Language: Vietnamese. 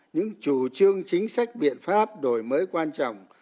những chủ trương chính sách biện pháp đổi mới quan trọng